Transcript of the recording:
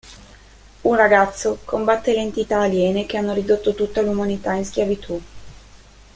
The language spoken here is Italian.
Un ragazzo combatte le entità aliene che hanno ridotto tutta l'umanita in schiavitù.